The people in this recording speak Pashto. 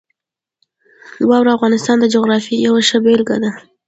واوره د افغانستان د جغرافیې یوه ښه بېلګه ده.